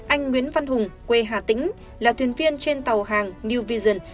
anh nguyễn văn hùng quê hà tĩnh là thuyền viên trên tàu hàng new vision